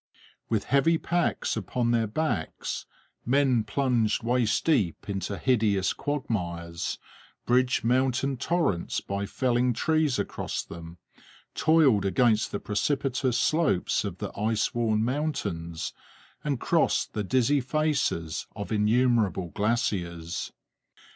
With heavy packs upon their backs men plunged waist deep into hideous quagmires, bridged mountain torrents by felling trees across them, toiled against the precipitous slopes of the ice worn mountains, and crossed the dizzy faces of innumerable glaciers.